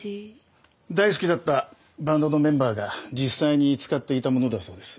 大好きだったバンドのメンバーが実際に使っていたものだそうです。